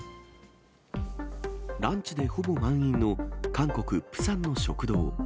ランチでほぼ満員の韓国・プサンの食堂。